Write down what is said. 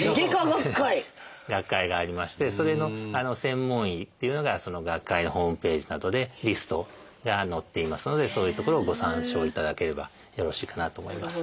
学会がありましてそれの専門医というのがその学会のホームページなどでリストが載っていますのでそういう所をご参照いただければよろしいかなと思います。